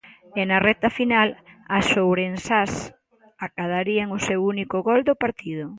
E na recta final as ourensás acadarían o seu único gol do partido.